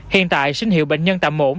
hiện tại sinh hiệu bệnh nhân tạm ổn